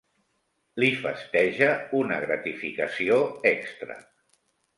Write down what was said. Li festeja una gratificació extra.